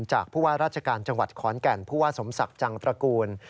ผู้ว่าราชการจังหวัดขอนแก่นผู้ว่าสมศักดิ์จังตระกูล